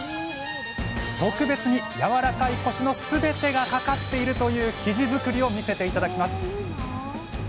特別にやわらかいコシの全てがかかっているという生地作りを見せて頂きます。